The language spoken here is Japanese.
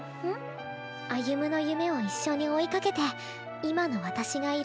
歩夢の夢を一緒に追いかけて今の私がいる。